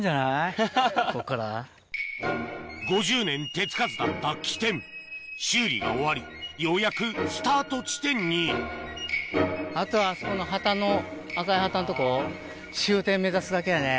５０年手付かずだった起点修理が終わりようやくスタート地点にあとはあそこの旗の赤い旗のとこ。